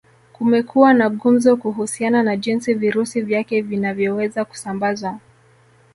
Kumekuwa na gumzo kuhusiana na jinsi virusi vyake vinavyoweza kusambazwa